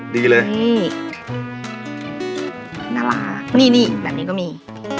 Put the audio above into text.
นี่นี่แบบนี้ก็มี